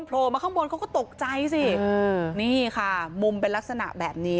โผล่มาข้างบนเขาก็ตกใจสินี่ค่ะมุมเป็นลักษณะแบบนี้